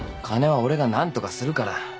金は俺が何とかするから。